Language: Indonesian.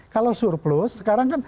kalau surplus sekarang kan